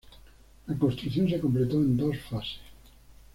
La construcción se completó en dos fases.